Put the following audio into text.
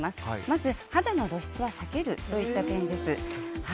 まず、肌の露出は避けるといった点です。